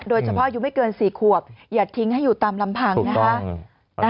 โดยเฉพาะอยู่ไม่เกิน๔ขวบอย่าทิ้งให้อยู่ตามลำผังนะคะ